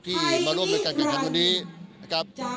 ที่มาร่วมกันกันทัวร์นี้ครับ